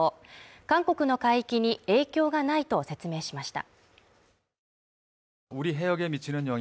韓国の海域に影響がないと説明しました。